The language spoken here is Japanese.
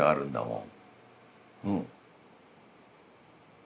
うん。